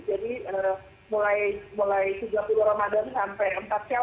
jadi mereka benar benar mengantisipasi itu listrik tidak boleh ada yang berkumpul atau keluar rumah sama sekali